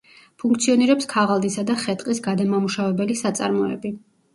ფუნქციონირებს ქაღალდისა და ხე-ტყის გადამამუშავებელი საწარმოები.